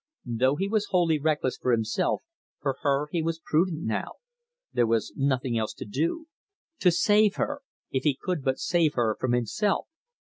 Though he was wholly reckless for himself, for her he was prudent now there was nothing else to do. To save her if he could but save her from himself!